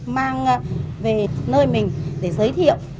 mang về nơi mình để giới thiệu